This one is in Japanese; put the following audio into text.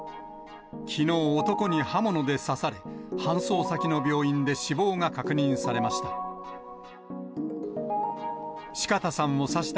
きのう、男に刃物で刺され、搬送先の病院で死亡が確認されました。